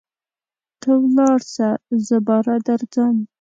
ته ولاړسه زه باره درځم.